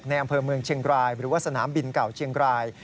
อำเภอเมืองเชียงรายหรือว่าสนามบินเก่าเชียงราย